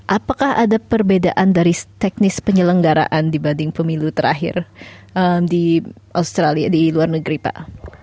apakah ada perbedaan dari teknis penyelenggaraan dibanding pemilu terakhir di australia di luar negeri pak